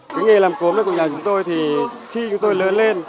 cái nghề làm cốm của nhà chúng tôi thì khi chúng tôi lớn lên